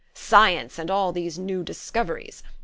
Science, and all these new discoveries....